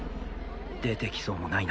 出てきそうもないな